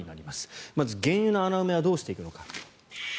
まず、原油の穴埋めはどうしていくのか。